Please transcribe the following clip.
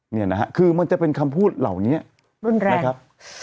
เนี่ยนะฮะคือมันจะเป็นคำพูดเหล่านี้รุนแรงนะครับ